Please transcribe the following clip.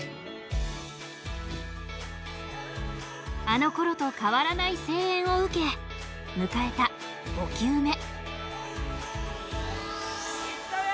あのころと変わらない声援を受け迎えた５球目。